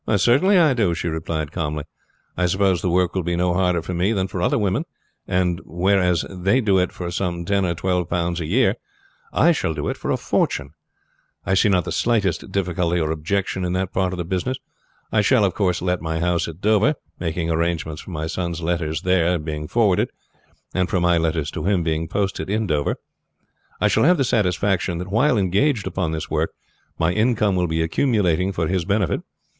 "Certainly I do," she replied calmly. "I suppose the work will be no harder for me than for other women; and whereas they do it for some ten or twelve pounds a year I shall do it for a fortune. I see not the slightest difficulty or objection in that part of the business. I shall, of course, let my house at Dover, making arrangements for my son's letters there being forwarded, and for my letters to him being posted in Dover. I shall have the satisfaction that while engaged upon this work my income will be accumulating for his benefit.